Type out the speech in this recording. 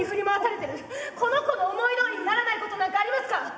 この子の思いどおりにならないことなんかありますか？